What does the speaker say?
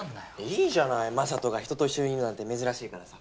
いいじゃない雅人が人と一緒にいるなんて珍しいからさ。